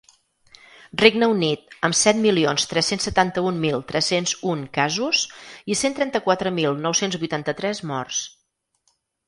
Regne Unit, amb set milions tres-cents setanta-un mil tres-cents un casos i cent trenta-quatre mil nou-cents vuitanta-tres morts.